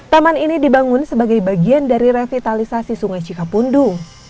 taman ini dibangun sebagai bagian dari revitalisasi sungai cikapundung